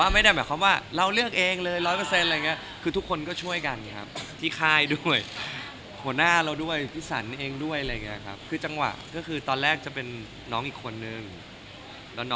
มั้งอะไรอย่างนี้